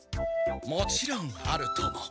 もちろんあるとも。